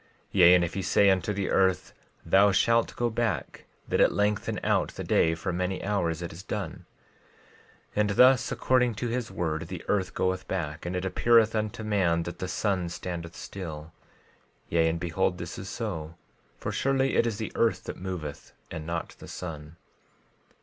12:14 Yea, if he say unto the earth—Thou shalt go back, that it lengthen out the day for many hours—it is done; 12:15 And thus, according to his word the earth goeth back, and it appeareth unto man that the sun standeth still; yea, and behold, this is so; for surely it is the earth that moveth and not the sun.